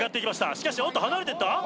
しかしおっと離れてった！？